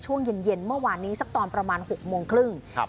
ช่วงเย็นเย็นเมื่อวานนี้สักตอนประมาณ๖โมงครึ่งครับ